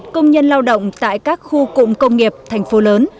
công nhân lao động tại các khu cụm công nghiệp thành phố lớn